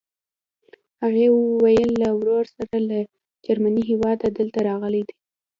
هغې ویل له ورور سره له جرمني هېواده دلته راغلې ده.